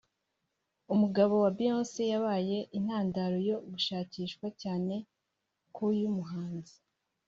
umugabo wa Beyonce yabaye intandaro yo gushakishwa cyane kw’uyu muhanzi